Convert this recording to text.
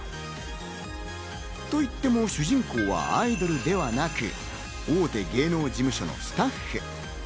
と言っても、主人公はアイドルではなく、大手芸能事務所のスタッフ。